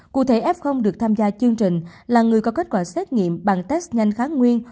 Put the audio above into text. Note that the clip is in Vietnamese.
cụ thể f được tham gia chương trình là người có kết quả xét nghiệm bằng test nhanh kháng nguyên